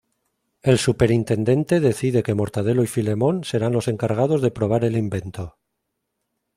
El Superintendente decide que Mortadelo y Filemón serán los encargados de probar el invento.